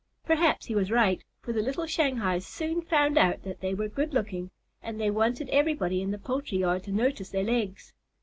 Perhaps he was right, for the little Shanghais soon found out that they were good looking, and they wanted everybody in the poultry yard to notice their legs.